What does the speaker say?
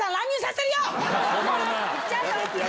行っちゃうよ！